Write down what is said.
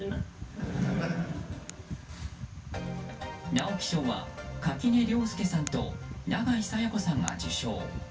直木賞は、垣根涼介さんと永井紗耶子さんが受賞。